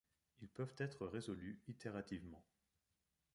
Ils peuvent être résolus itérativement.